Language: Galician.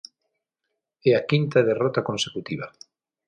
É a quinta derrota consecutiva.